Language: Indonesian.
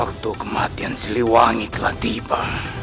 waktu kematian siliwangi telah tiba